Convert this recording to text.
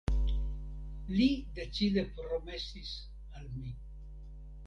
Li decide promesis al mi.